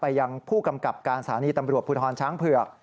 ไปยังผู้กำกับการสารีตำรวจพุทธรรมช้างเผือก